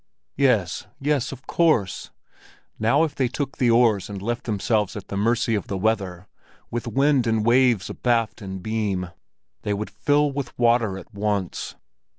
Yes, yes, of course! Now if they took in the oars and left themselves at the mercy of the weather—with wind and waves abaft and beam!—they would fill with water at once!